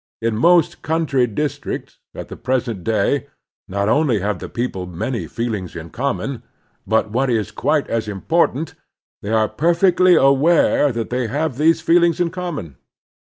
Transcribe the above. In most country districts at • the present day not only have the people many/ feelings in common, but, what is quite as impor ' tant, they are perfectly aware that they have these feelings in common.